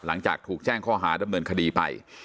หลังจากถูกแจ้งข้อหาดำเนินคดีไป